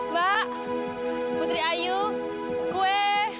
mak putri ayu kue